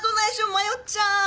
迷っちゃう。